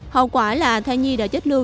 hậu quả là thai nhi đã chết lưu